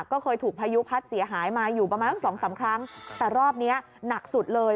ก็เคยถูกพายุพัดเสียหายมาอยู่ประมาณสักสองสามครั้งแต่รอบเนี้ยหนักสุดเลย